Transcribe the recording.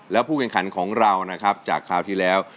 แล้วผู้แข่งขันของเรานะครับจากคราวที่แล้ว